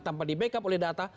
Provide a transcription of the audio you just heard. tanpa di backup oleh data